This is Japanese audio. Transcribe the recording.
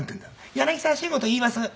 「柳沢慎吾といいます」。